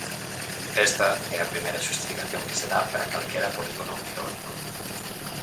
Esta é a primeira xustificación que se dá para calquera polígono eólico.